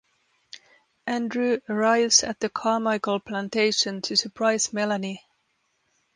Andrew arrives at the Carmichael Plantation to surprise Melanie.